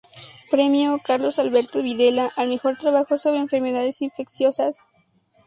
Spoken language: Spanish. Premio "Carlos Alberto Videla" al mejor trabajo sobre Enfermedades infecciosas.